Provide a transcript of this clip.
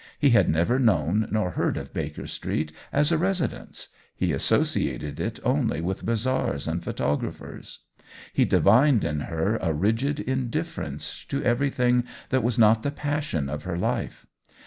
He had never known nor heard of Baker Street as a resi dence — he associated it only with bazaars and photographers. He divined in her a rigid indifference to everything that was not the passion of her life.